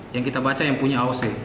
yang kita baca yang punya aoc